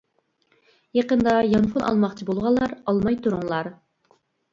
يېقىندا يانفون ئالماقچى بولغانلار ئالماي تۇرۇڭلار.